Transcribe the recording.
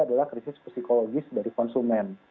adalah krisis psikologis dari konsumen